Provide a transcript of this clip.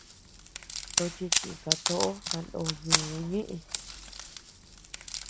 Tochi chika toʼo kanó ñuu ñeʼe.